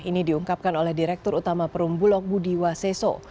ini diungkapkan oleh direktur utama perumbulok budi waseso